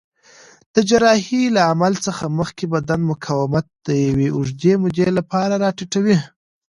د جراحۍ له عمل څخه مخکې بدن مقاومت د یوې اوږدې مودې لپاره راټیټوي.